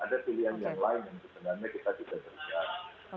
ada pilihan yang lain yang sebenarnya kita juga tidak